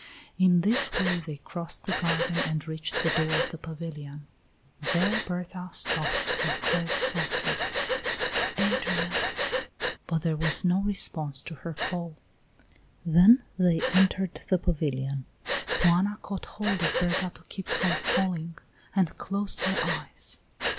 In this way they crossed the garden and reached the door of the pavilion. There Berta stopped, and called softly: "Adrian!" But there was no response to her call. Then they entered the pavilion. Juana caught hold of Berta to keep from falling, and closed her eyes.